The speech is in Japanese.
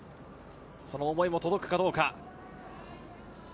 その思いも届くかどうか。